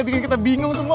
bikin kita bingung semua